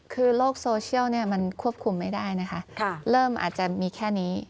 คือโลกโซเชียลมันควบคุมไม่ได้นะคะเริ่มอาจจะมีแค่นี้